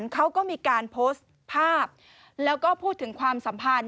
เขาก็มีการโพสต์ภาพแล้วก็พูดถึงความสัมพันธ